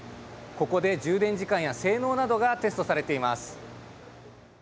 ここで充電時間や性能などがテストされています。